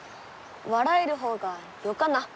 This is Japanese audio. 笑えるほうがよかな。